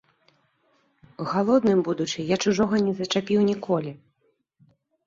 Галодным будучы, я чужога не зачапіў ніколі.